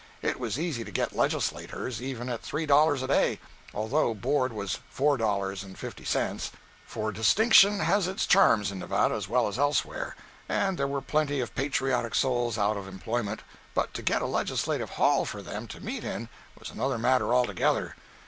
It was easy to get legislators, even at three dollars a day, although board was four dollars and fifty cents, for distinction has its charm in Nevada as well as elsewhere, and there were plenty of patriotic souls out of employment; but to get a legislative hall for them to meet in was another matter altogether.